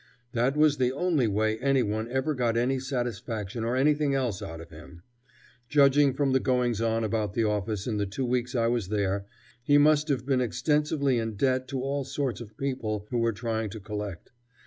That was the only way any one ever got any satisfaction or anything else out of him. Judging from the goings on about the office in the two weeks I was there, he must have been extensively in debt to all sorts of people who were trying to collect.